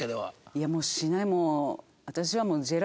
いやもうしない。